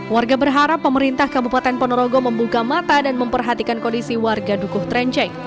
warga berharap pemerintah kabupaten ponorogo membuka mata dan memperhatikan kondisi warga dukuh trenceng